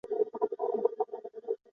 现为八一电影制片厂演员剧团演员。